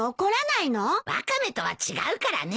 ワカメとは違うからね。